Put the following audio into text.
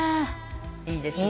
いいですね。